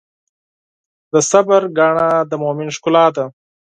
د صبر ګاڼه د مؤمن ښکلا ده.